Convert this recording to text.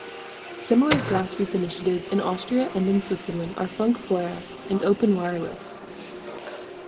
Similar grassroots initiatives in Austria and in Switzerland are FunkFeuer and Openwireless.